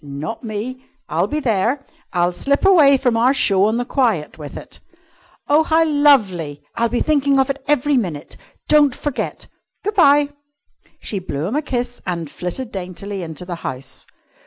"Not me! I'll be there. I'll slip away from our show on the quiet with it." "Oh, how lovely! I'll be thinking of it every minute. Don't forget. Good bye!" She blew him a kiss and flitted daintily into the house.